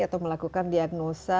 atau melakukan diagnosa